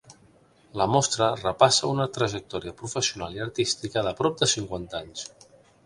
La mostra repassa una trajectòria professional i artística de prop de cinquanta anys.